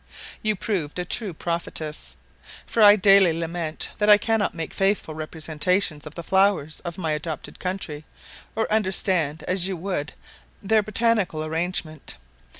You proved a true prophetess; for I daily lament that I cannot make faithful representations of the flowers of my adopted country, or understand as you would do their botanical arrangement.